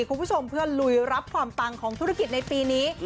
คุณผู้ชมเพื่อลุยรับความปังของธุรกิจในปีนี้